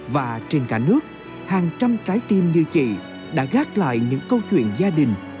và trên cả nước hàng trăm trái tim như chị đã gác lại những câu chuyện gia đình